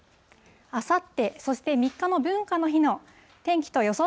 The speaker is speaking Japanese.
あさって、そして３日の文化の日の天気と予想